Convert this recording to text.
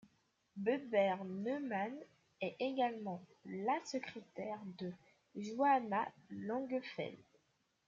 Buber-Neumann est également la secrétaire de Johanna Langefeld.